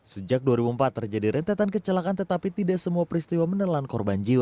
sejak dua ribu empat terjadi rentetan kecelakaan tetapi tidak semua peristiwa menelan korban jiwa